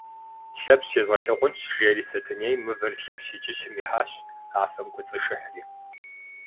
Лъэпщ езгъэлъагъунщ, – жери Сэтэней мывэр Лъэпщ и кӏыщым ихьащ, афэм кӏуэцӏишыхьри.